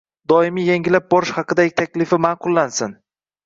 Doimiy yangilab borish haqidagi taklifi ma’qullansin.